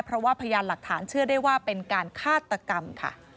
เพราะว่าพยานหลักฐานเชื่อได้ว่าเป็นการฆาตกรรมค่ะ